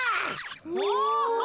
お。